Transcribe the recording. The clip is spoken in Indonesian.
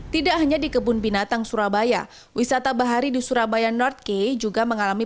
tidak hanya di kebun binatang surabaya wisata bahari di surabaya north key juga mengalami